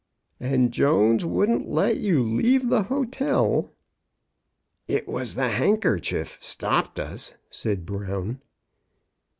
"And Jones wouldn't let you leave the hotel?" " It was the handkerchief stopped us," said Brown.